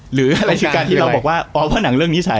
หรืออะไรคือการที่เราบอกว่าอ๋อเพราะหนังเรื่องนิสัย